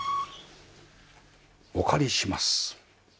お借りします。